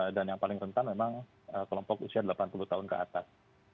dan yang paling rentan memang kelompok usia delapan puluh tahun ke atas